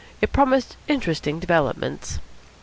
It promised interesting developments.